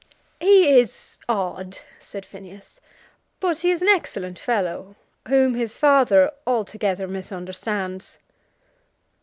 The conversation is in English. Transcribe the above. "He is odd," said Phineas; "but he is an excellent fellow, whom his father altogether misunderstands."